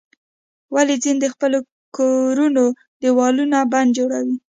ولې ځینې د خپلو کورونو دیوالونه پنډ جوړوي؟